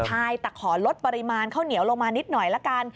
ใช่แต่ขอลดปริมาณข้าวเหนียวลงมานิดหน่อยละกัน